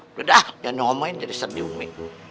udah dah jangan omongin jadi sedih umi